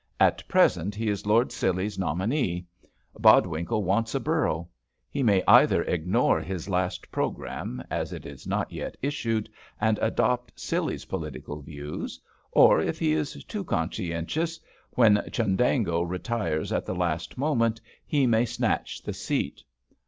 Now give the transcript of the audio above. At present he is Lord Scilly's nominee. Bodwinkle wants a borough. He may either ignore his last programme, as it is not yet issued, and adopt Scilly's political views, or, if he is too conscientious, when Chundango retires at the last moment, he may snatch the seat.